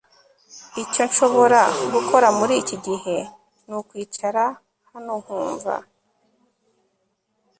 Icyo nshobora gukora muriki gihe nukwicara hano nkumva